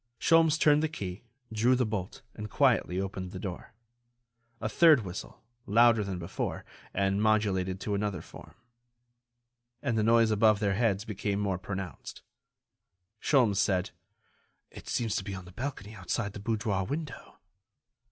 Sholmes turned the key, drew the bolt, and quietly opened the door. A third whistle, louder than before, and modulated to another form. And the noise above their heads became more pronounced. Sholmes said: "It seems to be on the balcony outside the boudoir window."